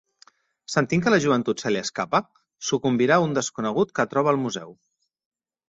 Sentint que la joventut se li escapa, sucumbirà a un desconegut que troba al museu.